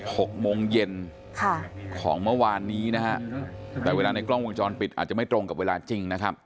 หกโมงเย็นค่ะของเมื่อวานนี้นะฮะแต่เวลาในกล้องวงจรปิดอาจจะไม่ตรงกับเวลาจริงนะครับ